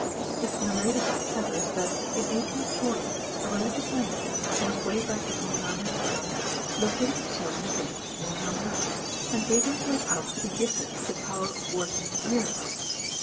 It is narrated by Chevers that, in 1840, a religious mendicant, on his way back from Ramesvaram, located himself in a village near Ramnad, and gave himself out to be gifted with the power of working miracles.